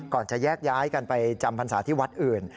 จะแยกย้ายกันไปจำพรรษาที่วัดอื่น